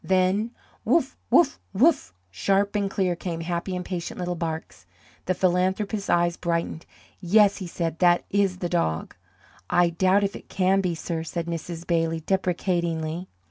Then: "Woof! woof! woof!" sharp and clear came happy impatient little barks. The philanthropist's eyes brightened. "Yes," he said, "that is the dog." "I doubt if it can be, sir," said Mrs. Bailey, deprecatingly.